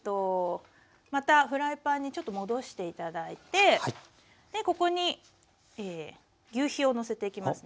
またフライパンにちょっと戻して頂いてここにぎゅうひをのせていきますね。